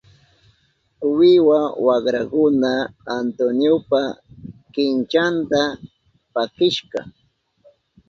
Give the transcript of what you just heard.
Wiwa wakrakuna Antoniopa kinchanta pakishka.